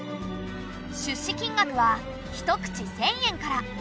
出資金額は一口１，０００円から。